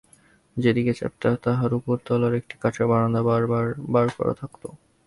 যেদিকটা চেপ্টা, তারই উপর তলায় একটা কাঠের বারান্দা বার করা থাকত।